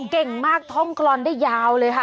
เก่งมากท่องกรอนได้ยาวเลยค่ะ